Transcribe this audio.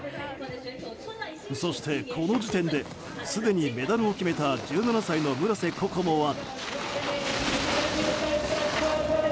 そして、この時点ですでにメダルを決めた１７歳の村瀬心椛は。